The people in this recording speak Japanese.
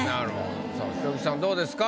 さぁ昇吉さんどうですか？